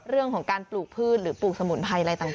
เรื่องของการปลูกพืชหรือปลูกสมุนไพรอะไรต่าง